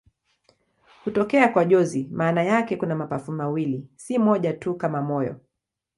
Hutokea kwa jozi maana yake kuna mapafu mawili, si moja tu kama moyo.